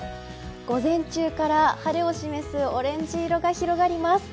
午前中から晴れを示すオレンジ色が広がります。